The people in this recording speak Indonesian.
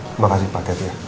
terima kasih pak hati hati ya